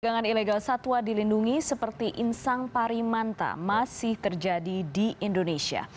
perdagangan ilegal satwa dilindungi seperti insang parimanta masih terjadi di indonesia